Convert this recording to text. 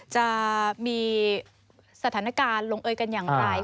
จะมีสถานการณ์ลงเอยกันอย่างไร